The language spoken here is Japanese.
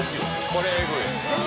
これエグい」